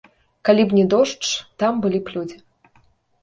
Калі б не дождж, там былі б людзі.